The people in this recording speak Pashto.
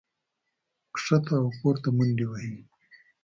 ښکته او پورته منډې وهي